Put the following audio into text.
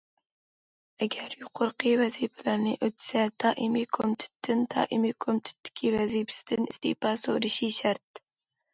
ئەگەر يۇقىرىقى ۋەزىپىلەرنى ئۆتىسە، دائىمىي كومىتېتتىن دائىمىي كومىتېتتىكى ۋەزىپىسىدىن ئىستېپا سورىشى شەرت.